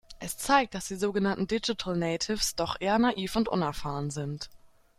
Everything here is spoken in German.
Es zeigt, dass die sogenannten Digital Natives doch eher naiv und unerfahren sind.